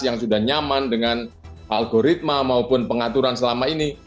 yang sudah nyaman dengan algoritma maupun pengaturan selama ini